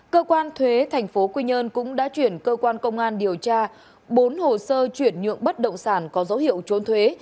cơ quan thuế tp quy nhơn cũng đã chuyển cơ quan công an điều tra bốn hồ sơ chuyển nhượng bất động sản có dấu hiệu trốn thuế